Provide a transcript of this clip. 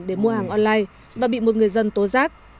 để mua hàng online và bị một người dân tố giác